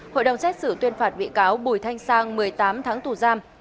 hội đồng xét xử tuyên phạt bị cáo bùi thanh sang một mươi tám tháng tù giam